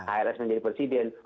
ars menjadi presiden